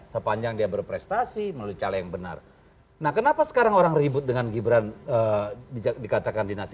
sepanjang dia berprestasi melalui cara yang benar nah kenapa sekarang orang ribut dengan gibran dikatakan dinasti